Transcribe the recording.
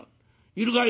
『いるかい？』